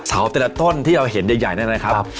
เสาแต่ละต้นที่เราเห็นใหญ่นั่นนะครับ